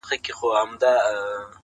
مورې د دې شاعر کتاب چي په لاسونو کي دی